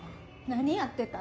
何やってた？